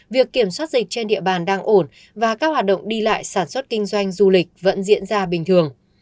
việc kiểm soát dịch trên địa bàn đang ổn và các hoạt động đi lại sản xuất kinh doanh du lịch vẫn diễn ra bình thường